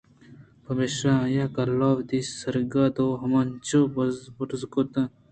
پمیشا آئی ءَ گل ءَ وتی سَرّگ دو ہمینچو بُرز کُت اَنت